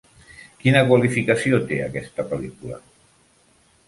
Quina qualificació té aquesta pel·lícula?